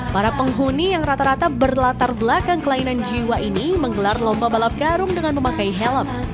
para penghuni yang rata rata berlatar belakang kelainan jiwa ini menggelar lomba balap karung dengan memakai helm